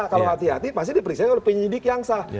kalau hati hati pasti diperiksa oleh penyidik yang sah